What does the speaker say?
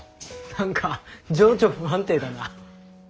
何か情緒不安定だな。